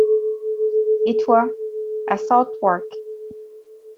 Et toi? à Southwark.